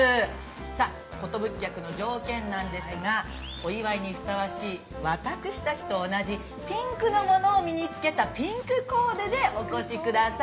さあ、寿客の条件なんですが、お祝いにふさわしい、私たちと同じ、ピンクのものを身につけた、ピンクコーデでお越しください。